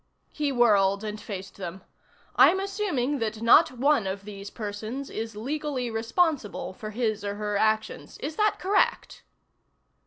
He whirled and faced them. "I'm assuming that not one of these persons is legally responsible for his or her actions. Is that correct?"